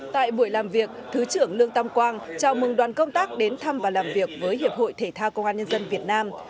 tại buổi làm việc thứ trưởng lương tam quang chào mừng đoàn công tác đến thăm và làm việc với hiệp hội thể thao công an nhân dân việt nam